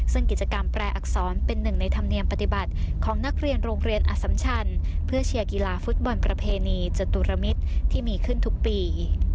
ซึ่งกิจกรรมแปรอักษรเป็นหนึ่งในธรรมเนียมปฏิบัติของนักเรียนโรงเรียนอสัมชันเพื่อเชียร์กีฬาฟุตบอลประเพณีจตุรมิตรที่มีขึ้นทุกปี